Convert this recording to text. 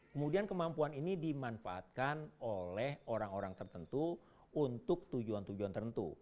kemudian kemampuan ini dimanfaatkan oleh orang orang tertentu untuk tujuan tujuan tertentu